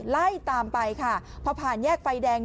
ไล่ตามไปค่ะพอผ่านแยกไฟแดง